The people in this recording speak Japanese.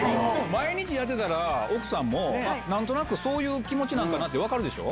毎日やってたら、奥さんも、あっ、なんとなくそういう気持ちなんかなって分かるでしょ？